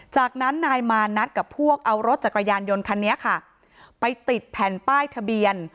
จากนั้นนายมานัดกับพวกเอารถจักรยานยนต์คันนี้ค่ะไปติดแผ่นป้ายทะเบียน